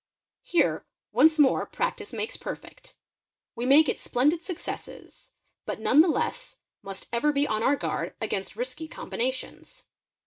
Here once more practice makes perfect. We may ~ get splendid successes, but none the less must ever be on our guard a gainst risky combinations.